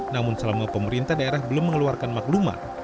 namun selama pemerintah daerah belum mengeluarkan maklumat